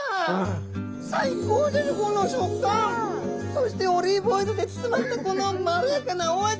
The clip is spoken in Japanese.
そしてオリーブオイルで包まれたこのまろやかなお味。